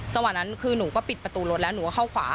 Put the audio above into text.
จังหวะนั้นคือหนูก็ปิดประตูรถแล้วหนูก็เข้าขวา